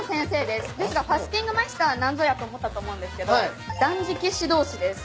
ですがファスティングマイスター何ぞやと思ったと思うんですけど断食指導士です。